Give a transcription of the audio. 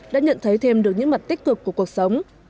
đã nhận thấy thêm được những mặt tích cực của cuộc sống